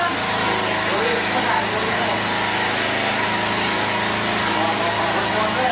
อันดับที่สุดท้ายก็จะเป็น